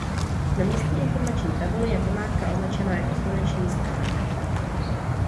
Na místní informační tabuli je památka označena jako "Slunečn"í "stráň".